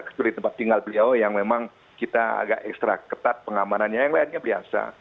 seperti tempat tinggal beliau yang memang kita agak ekstra ketat pengamanannya yang lainnya biasa